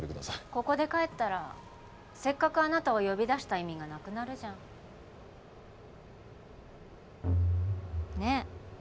ここで帰ったらせっかくあなたを呼び出した意味がなくなるじゃんねえ